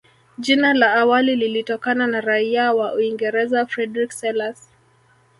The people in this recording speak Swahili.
Jina la awali lilitokana na raia wa Uingereza Frederick Selous